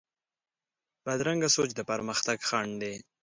بدرنګه سوچ د پرمختګ خنډ دی